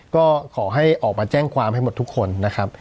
ก็ขอให้ออกมาแจ้งความให้หมดทุกคนนะครับ